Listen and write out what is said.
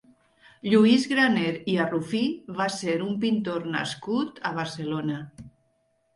Lluís Graner i Arrufí va ser un pintor nascut a Barcelona.